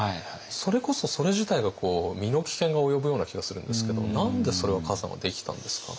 それこそそれ自体が身の危険が及ぶような気がするんですけど何でそれを崋山はできたんですか？